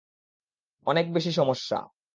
অনেক বেশি সমস্যা।